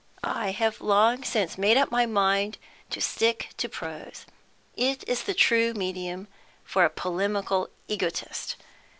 I have long since made up my mind to stick to prose; it is the true medium for a polemical egotist.